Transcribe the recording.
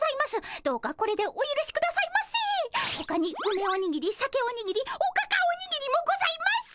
ほかにうめおにぎりさけおにぎりおかかおにぎりもございます！